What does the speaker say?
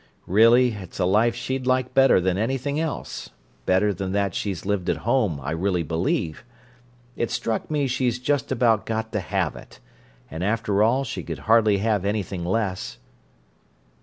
Really, it's a life she'd like better than anything else—better than that she's lived at home, I really believe. It struck me she's just about got to have it, and after all she could hardly have anything less."